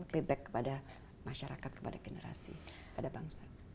pay back kepada masyarakat kepada generasi kepada bangsa